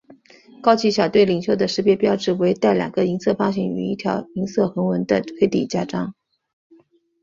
高级小队领袖的识别标记为带两个银色方形与一条银色横纹的黑底襟章。